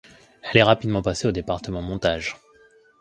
Elle est rapidement passée au département montage.